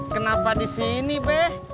kenapa disini peh